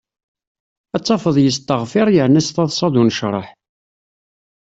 Ad tafeḍ yesteɣfir yerna s taḍsa d unecraḥ.